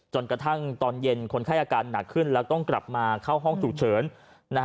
จนกระทั่งตอนเย็นคนไข้อาการหนักขึ้นแล้วต้องกลับมาเข้าห้องฉุกเฉินนะฮะ